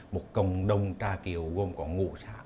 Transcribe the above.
một cộng đồng trà kiệu gồm ngũ xã